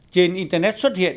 trên internet xuất hiện